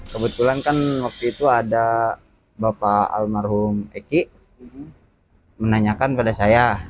kebetulan kan waktu itu ada bapak almarhum eki menanyakan pada saya